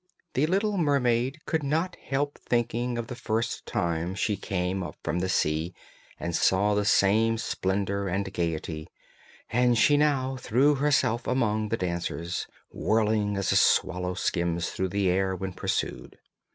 The little mermaid could not help thinking of the first time she came up from the sea and saw the same splendour and gaiety; and she now threw herself among the dancers, whirling, as a swallow skims through the air when pursued.